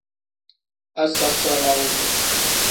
Asasarawu.